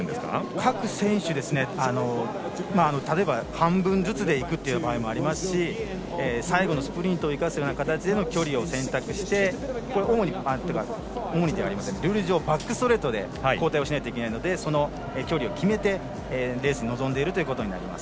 各選手、例えば半分ずつでいく場合もありますし最後のスプリントを生かすような形での距離を選択してルール上、バックストレートで交代をしないといけないのでその距離を決めてレースに臨んでいるということになります。